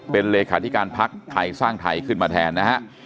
เป็นเลขาธิการพักไทยสร้างไทยขึ้นมาแทนนะฮะ